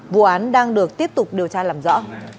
vụ án đang được tiếp tục điều tra làm rõ